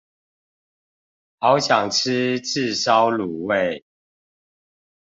好想吃炙燒滷味